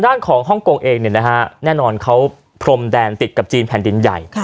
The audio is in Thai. ด้านของฮ่องกงเองเนี่ยนะฮะแน่นอนเขาพรมแดนติดกับจีนแผ่นดินใหญ่